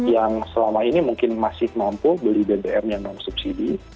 yang selama ini mungkin masih mampu beli bbm yang non subsidi